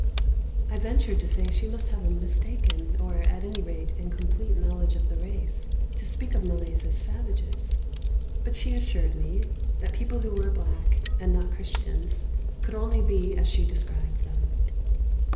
I ventured to say that she must have a mistaken, or at any rate incomplete, knowledge of the race to speak of Malays as savages, but she assured me that people who were black, and not Christians, could only be as she described them.